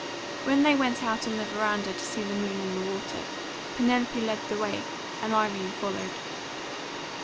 When they went out on the veranda to see the moon on the water, Penelope led the way and Irene followed.